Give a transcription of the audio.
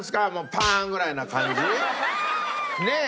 パーン！」ぐらいな感じ？ねえ？